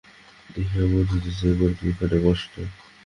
দেখিয়া বােধ হইতেছে, একবারাে তুমি খাটে বস নাই।